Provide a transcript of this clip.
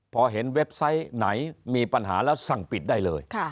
พอเห็นเว็บไซต์ไหนมีปัญหาแล้วสั่งปิดได้เลย